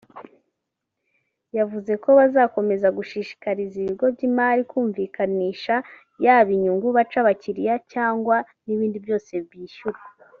yavuze ko bazakomeza gushishikariza ibigo by’imari kumvikanisha yaba inyungu baca abakiliya cyangwa n’ibindi byose byishyurwa